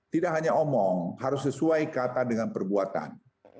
tidak hanya omong harus sesuai kata dengan perbuatan